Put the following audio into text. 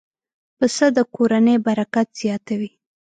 پسه د کورنۍ برکت زیاتوي.